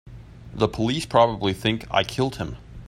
The police probably think I killed him.